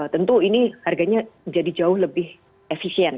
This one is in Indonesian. tentu ini harganya jadi jauh lebih efisien